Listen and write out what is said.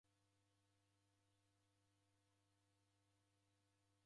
Dadeka idima jhose.